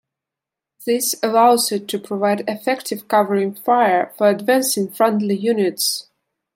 This allows it to provide effective covering fire for advancing friendly units.